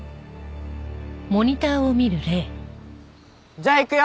じゃあいくよ！